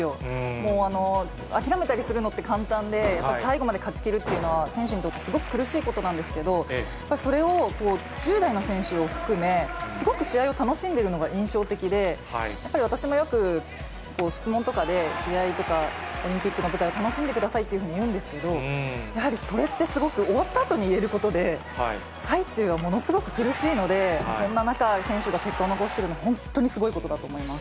もうあきらめたりするのって簡単で、最後まで勝ちきるというのは、選手にとってすごく苦しいことなんですけれども、それを１０代の選手を含め、すごく試合を楽しんでいるのが印象的で、やっぱり私もよく質問とかで、試合とかオリンピックの舞台、楽しんでくださいっていうふうに言うんですけど、やはりそれってすごく終わったあとに言えることで、最中はものすごく苦しいので、そんな中、選手が結果残しているのは、本当にすごいことだと思います。